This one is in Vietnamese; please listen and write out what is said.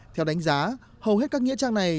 theo đánh giá hầu hết các nghĩa trang này